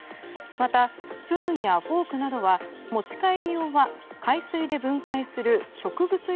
またスプーンやフォークなどは持ち帰り用は海水で分解する植物